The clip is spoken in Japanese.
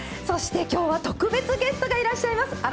そしてきょうは特別ゲストがいらっしゃいます。